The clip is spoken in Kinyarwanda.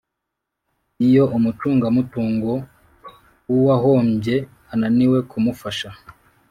Iyo umucungamutungo w uwahombye ananiwe kumufasha